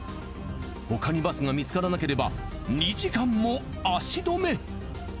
他にバスが見つからなければ２時間も足止め。